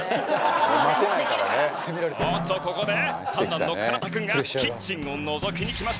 おっとここで三男の奏君がキッチンをのぞきに来ました。